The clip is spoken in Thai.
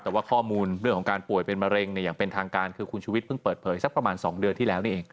แต่ว่าข้อมูลเรื่องของการป่วยเป็นมะเร็งอย่างเป็นทางการคือคุณชุวิตเพิ่งเปิดเผยสักประมาณ๒เดือนที่แล้วนี่เอง